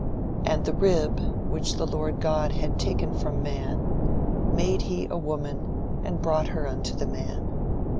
"And the rib, which the Lord God had taken from man, made he a woman and brought her unto the man.